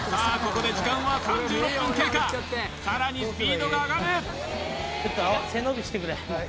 ここで時間は３６分経過さらにスピードが上がるはい